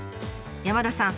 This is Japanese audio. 山田さん